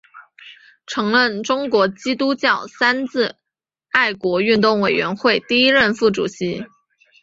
曾任中国基督教三自爱国运动委员会第一届副主席。